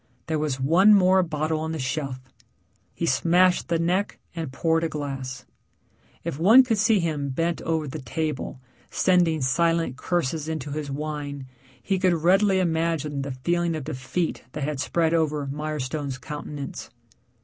There was one more bottle on the shelf; he smashed the neck and poured a glass. If one could see him bent over the table sending silent curses into his wine, he could readily imagine the feeling of defeat that had spread over Mirestone's countenance.